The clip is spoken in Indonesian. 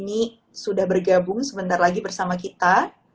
kita gabung sebentar lagi bersama kita